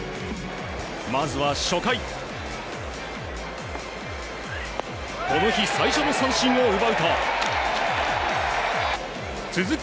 まずは初回この日最初の三振を奪うと続く